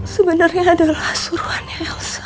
sebenernya adalah suruhannya elsa